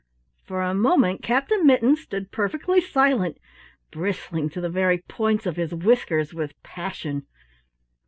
For a moment Captain Mittens stood perfectly silent, bristling to the very points of his whiskers with passion.